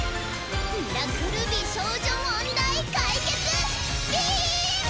ミラクル美少女問題解決ビーム！